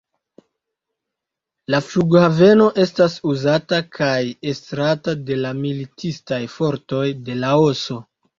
La flughaveno estas uzata kaj estrata de la militistaj fortoj de Laoso.